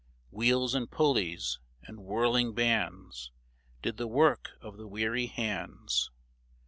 Wheels and pulleys and whirling bands Did the work of the weary hands.